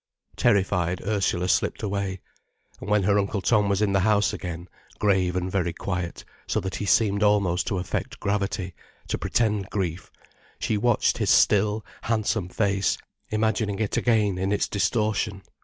Terrified, Ursula slipped away. And when her Uncle Tom was in the house again, grave and very quiet, so that he seemed almost to affect gravity, to pretend grief, she watched his still, handsome face, imagining it again in its distortion.